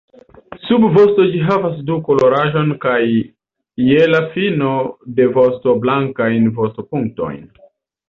Sub vosto ĝi havas du-koloraĵon kaj je la fino de vosto blankajn vost-punktojn.